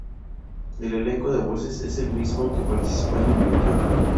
El elenco de voces es el mismo que participó en el videojuego.